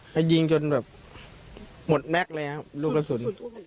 ไปยิงจนหมดแม็กซ์เลยครับลูกสุน